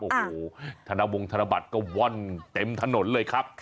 โอ้โหธนวงธนบัตรก็ว่อนเต็มถนนเลยครับ